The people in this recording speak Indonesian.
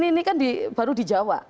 ini kan baru di jawa